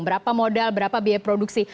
berapa modal berapa biaya produksi